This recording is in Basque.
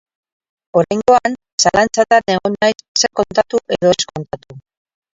Oraingoan zalantzatan egon naiz zer kontatu edo ez kontatu.